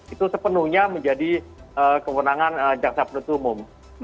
itu sepenuhnya menjadi kewenangan jaksa penutup umum